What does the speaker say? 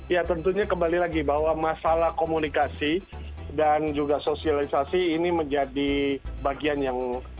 ya tentunya kembali lagi bahwa masalah komunikasi dan juga sosialisasi ini menjadi bagian yang